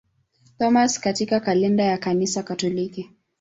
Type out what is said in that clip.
Thomas katika kalenda ya Kanisa Katoliki.